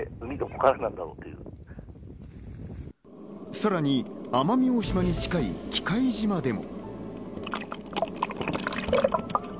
さらに奄美大島に近い喜界島でも。